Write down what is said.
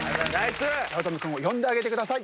八乙女君を呼んであげてください。